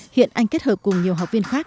hiện anh kết hợp cùng nhiều học viên khác